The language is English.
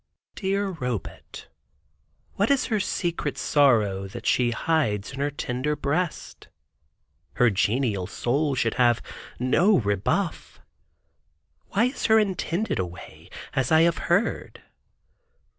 Dear Robet, what is her secret sorrow, that she hides in her tender breast? Her genial soul should have no rebuff. Why is her intended away, as I have heard?